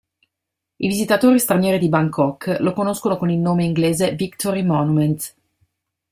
I visitatori stranieri di Bangkok lo conoscono con il nome inglese Victory Monument.